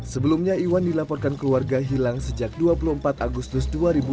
sebelumnya iwan dilaporkan keluarga hilang sejak dua puluh empat agustus dua ribu dua puluh